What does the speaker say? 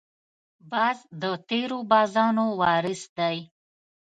باز د تېرو بازانو وارث دی